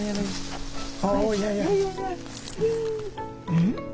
うん？